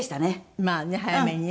まあね早めにね。